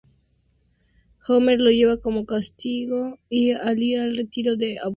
Homer lo lleva como castigo a ir al Retiro de Abuelos y ayudar allí.